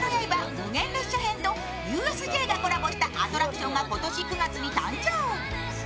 無限列車編とＵＳＪがコラボしたアトラクションが今年９月に誕生。